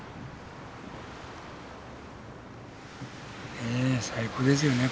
ね最高ですよね。